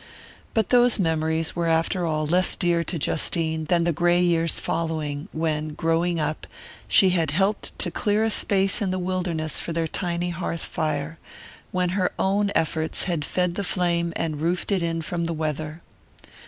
But those memories were after all less dear to Justine than the grey years following, when, growing up, she had helped to clear a space in the wilderness for their tiny hearth fire, when her own efforts had fed the flame and roofed it in from the weather.